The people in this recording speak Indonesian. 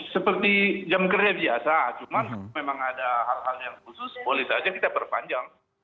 seperti jam kerja biasa cuman memang ada hal hal yang khusus boleh saja kita perpanjang